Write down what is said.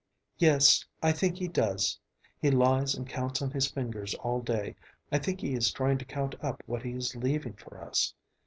"Yes, I think he does. He lies and counts on his fingers all day. I think he is trying to count up what he is leaving for us.